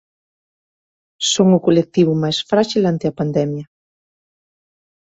Son o colectivo máis fráxil ante a pandemia.